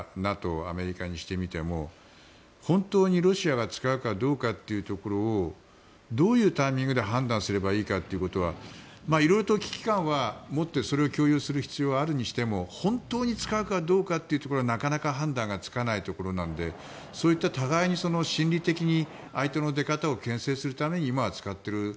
アメリカにしてみても本当にロシアが使うかどうかというところをどういうタイミングで判断すればいいかということは色々と危機感は持ってそれを共有する必要はあるにしても本当に使うかどうかというところはなかなか判断がつかないところなのでそういった互いに心理的に相手の出方をけん制するために今は使っている。